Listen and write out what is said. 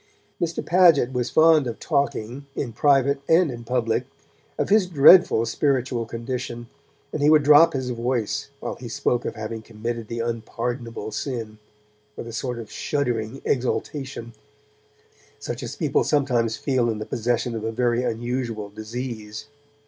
Mr. Paget was fond of talking, in private and in public, of his dreadful spiritual condition and he would drop his voice while he spoke of having committed the Unpardonable Sin, with a sort of shuddering exultation, such as people sometimes feel in the possession of a very unusual disease.